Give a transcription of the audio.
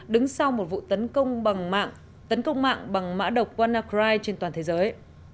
đứng sau một vụ tấn công mạng bằng mã độc wannacry trên toàn thế giới